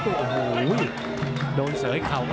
โอ้โหโอ้โห